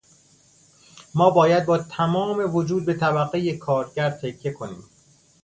ما باید با تمام وجود به طبقهٔ کارگر تکیه کنیم.